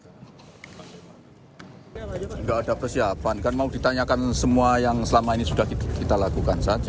tidak ada persiapan kan mau ditanyakan semua yang selama ini sudah kita lakukan saja